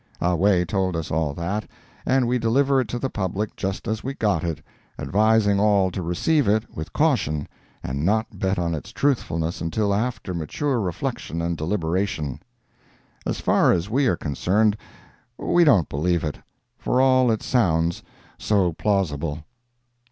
Ah Wae told us all that, and we deliver it to the public just as we got it, advising all to receive it with caution and not bet on its truthfulness until after mature reflection and deliberation. As far as we are concerned, we don't believe it, for all it sounds so plausible.